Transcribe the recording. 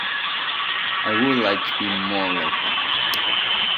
I would like to be more like that.